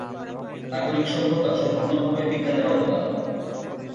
নাগরিক সভ্যতা সম্পূর্ণভাবে বিজ্ঞানের অবদান।